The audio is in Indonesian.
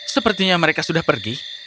sepertinya mereka sudah pergi